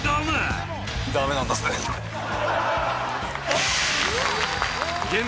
ダメなんだぜ。